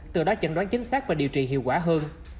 từ đó chẩn đoán chính xác và điều trị hiệu quả hơn